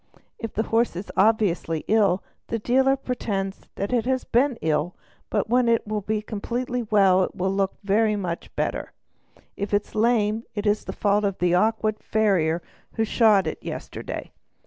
If the horse is obviously ill, the dealer pretends that it has been ill but when it is completely well it will look very much better; if it is lame, it is the fault of an awkward farrier who shod it badly yesterday.